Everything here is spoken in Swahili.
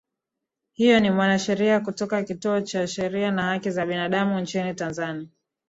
huyo ni mwanasheria kutoka kituo cha sheria na haki za binadamu nchini tanzania